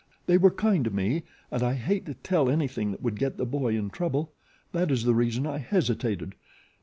They were kind to me, and I hate to tell anything that would get the boy in trouble. That is the reason I hesitated.